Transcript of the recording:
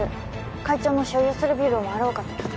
会長の所有するビルを回ろうかと。